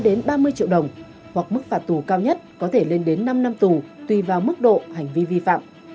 đến ba mươi triệu đồng hoặc mức phạt tù cao nhất có thể lên đến năm năm tù tùy vào mức độ hành vi vi phạm